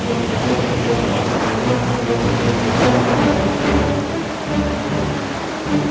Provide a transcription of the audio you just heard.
apa yang terjadi